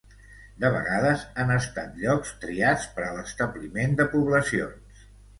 De vegades han estat llocs triats per a l'establiment de poblacions.